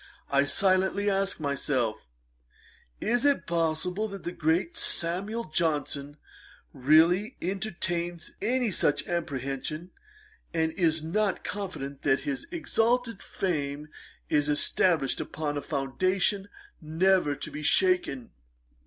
I silently asked myself, 'Is it possible that the great SAMUEL JOHNSON really entertains any such apprehension, and is not confident that his exalted fame is established upon a foundation never to be shaken?'